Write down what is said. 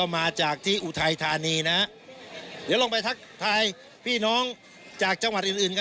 มากับชัยยภูมิค่ะ